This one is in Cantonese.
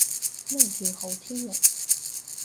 咩叫好天龍？